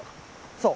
そう。